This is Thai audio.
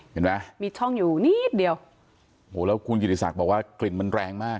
เห็นไหมมีช่องอยู่นิดเดียวโอ้โหแล้วคุณกิติศักดิ์บอกว่ากลิ่นมันแรงมาก